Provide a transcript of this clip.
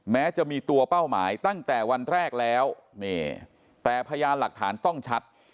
แม้จะมีตัวเป้าหมายตั้งแต่วันแรกแล้วแต่พยานหลักฐานต้องชัด